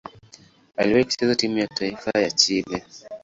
Aliwahi kucheza timu ya taifa ya Chile.